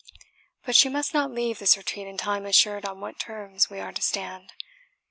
But she must not leave this retreat until I am assured on what terms we are to stand.